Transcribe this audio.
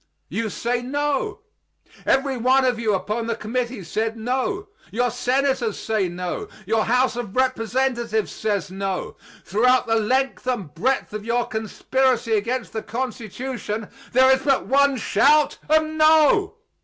You say no. Every one of you upon the committee said no. Your senators say no. Your House of Representatives says no. Throughout the length and breadth of your conspiracy against the Constitution there is but one shout of no!